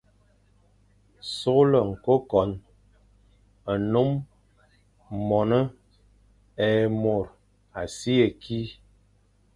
Sughle ñkôkon, nnôm, mône, é môr a si ye kî,